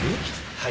はい。